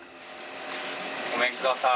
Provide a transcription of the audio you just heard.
ごめんください。